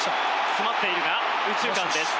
詰まっているが右中間です。